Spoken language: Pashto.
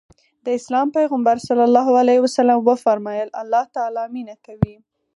د اسلام پيغمبر ص وفرمايل الله تعالی مينه کوي.